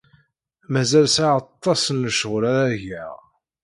Mazal sɛiɣ aṭas n lecɣal ara geɣ.